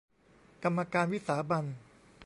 กรรมการวิสามัญ